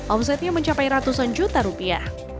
omsetnya mencapai ratusan juta rupiah